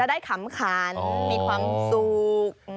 ได้ขำขันมีความสุข